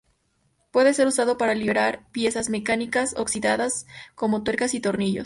Puede ser usado para liberar piezas mecánicas oxidadas como tuercas y tornillos.